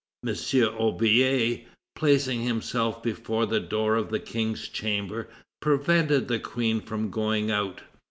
M. Aubier, placing himself before the door of the King's chamber, prevented the Queen from going out.